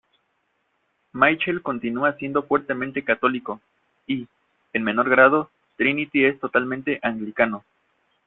Michael continúa siendo fuertemente católico, y, en menor grado, Trinity es totalmente anglicano.